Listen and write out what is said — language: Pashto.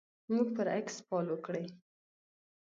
موږ پر اکس فالو کړئ